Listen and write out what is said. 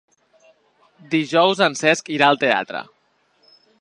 Dijous en Cesc irà al teatre.